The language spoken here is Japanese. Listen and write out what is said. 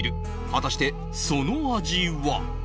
果たして、その味は。